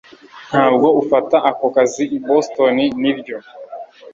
Ntabwo ufata ako kazi i Boston nibyo